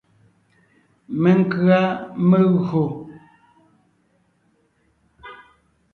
Menkʉ̀a megÿò.